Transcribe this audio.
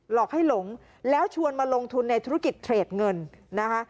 อกให้หลงแล้วชวนมาลงทุนในธุรกิจเทรดเงินนะคะ